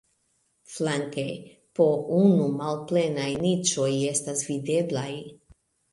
Flanke po unu malplenaj niĉoj estas videblaj.